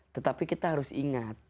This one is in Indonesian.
tetapi kita harus ingat